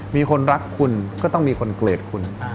มีคนรักคุณก็ต้องมีคนเกลียดคุณ